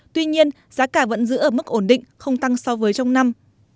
tuy nhiên giá cả vẫn giữ ở mức ổn định không tăng so với trong năm